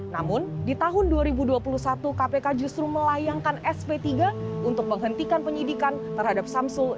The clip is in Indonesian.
namun di tahun dua ribu dua puluh satu kpk justru melayangkan sp tiga untuk menghentikan penyidikan terhadap samsul